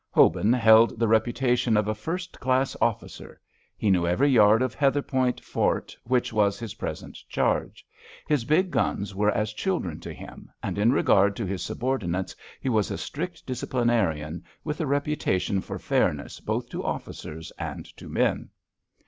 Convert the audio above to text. Hobin held the reputation of a first class officer; he knew every yard of Heatherpoint Fort, which was his present charge. His big guns were as children to him, and in regard to his subordinates he was a strict disciplinarian, with a reputation for fairness both to officers and to men.